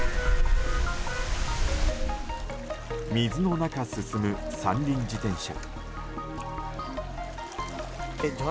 水の中進む、三輪自転車。